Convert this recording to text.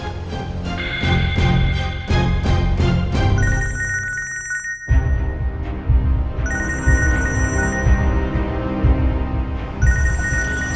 dia pasti datang